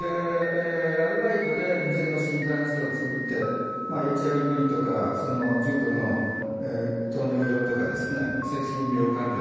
アルバイトで偽の診断書を作ってＨＩＶとか重度の糖尿病とか精神病患者